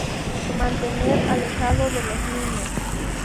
Mantener alejado de los niños.